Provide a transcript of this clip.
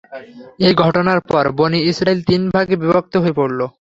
এই ঘটনার পর বনী ইসরাঈল তিন ভাগে বিভক্ত হয়ে পড়ল।